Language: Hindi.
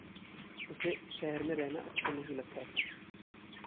उसे शहर में रहना अच्छा नहीं लगता था।